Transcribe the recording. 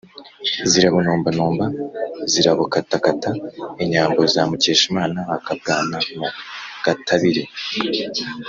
Zirabunombanomba zirabukatakata inyambo za Mukeshimana-Akabwana mu gatabire.